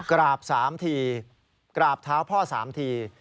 กราบ๓ทีกราบเท้าพ่อ๓ที